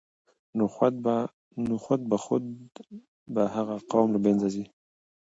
نو خود به خود به هغه قوم له منځه ځي.